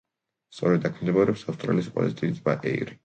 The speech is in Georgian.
სწორედ აქ მდებარეობს ავსტრალიის ყველაზე დიდი ტბა ეირი.